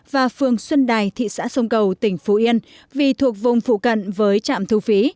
và phường xuân đài thị xã sông cầu tỉnh phú yên vì thuộc vùng phụ cận với trạm thu phí